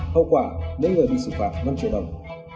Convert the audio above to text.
hậu quả mỗi người bị xử phạt năm triệu đồng